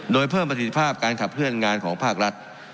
โดยเพิ่มประสิทธิภาพการขับเคลื่อนงานของภาครัฐ